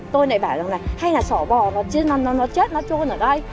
tôi lại bảo rằng là hay là sỏ bò nó chết nó trôn ở đây